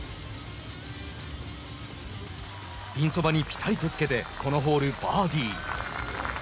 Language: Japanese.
ピンそばにぴたりとつけてこのホール、バーディー。